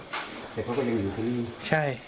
ชิคกี้พาย์แต่เขาก็เป็นหนึ่งชีวิต